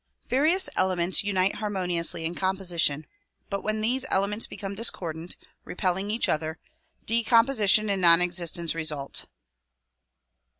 Various elements unite harmoniously in composition but when these elements become discordant, repelling each other, decomposition and non existence result.